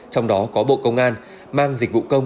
trong đó có bộ công an mang dịch vụ công